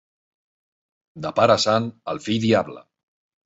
De pare sant, el fill diable.